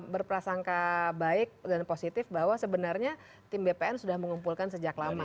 berprasangka baik dan positif bahwa sebenarnya tim bpn sudah mengumpulkan sejak lama